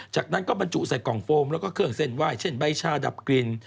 จากนั้นก็บรรจุใส่กล่องโฟมแล้วก็เครื่องเส้นไหว้เช่นใบชาดับกลิ่น